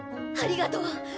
ありがとう！